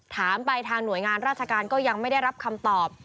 ถามไปทางหน่วยงานราชการก็ยังไม่ได้รับคำตอบ